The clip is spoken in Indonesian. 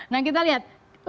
nah kita lihat